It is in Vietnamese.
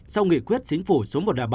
sau nghị quyết chính phủ số một trăm linh bảy